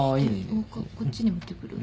もう１回こっちに持ってくる？